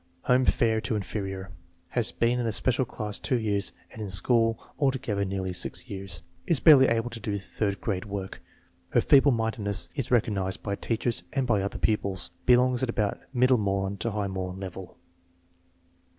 Home fair to inferior* Has been in a special class two years and in school altogether nearly six years. Is barely able to do third grade work. Her feebie mindedness is INTELLIGENCE QUOTIENT SIGNIFICANCE 85 recognized by teachers and by other pupils. Belongs at about middle moron to high moron level.